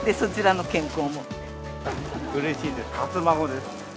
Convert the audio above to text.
うれしいです、初孫です。